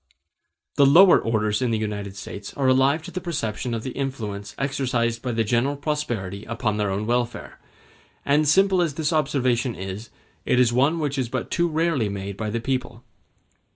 The lower orders in the United States are alive to the perception of the influence exercised by the general prosperity upon their own welfare; and simple as this observation is, it is one which is but too rarely made by the people.